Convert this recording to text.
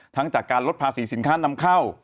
จากการลดภาษีสินค้านำเข้า